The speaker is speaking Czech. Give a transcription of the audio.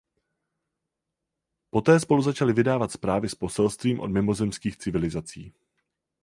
Poté spolu začali vydávat zprávy s poselstvím od mimozemských civilizací.